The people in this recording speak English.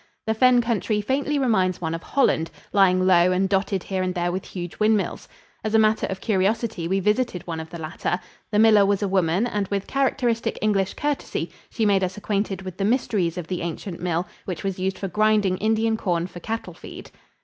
The fen country faintly reminds one of Holland, lying low and dotted here and there with huge windmills. As a matter of curiosity, we visited one of the latter. The miller was a woman, and with characteristic English courtesy she made us acquainted with the mysteries of the ancient mill, which was used for grinding Indian corn for cattle feed.